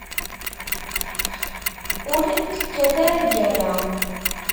Ur tekkat ara lgerra.